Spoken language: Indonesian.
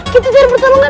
kita cari pertolongan